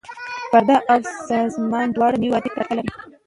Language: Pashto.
فرد او سازمان دواړه مالي ودې ته اړتیا لري.